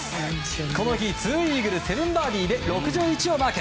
この日、２イーグル７バーディーで６１をマーク。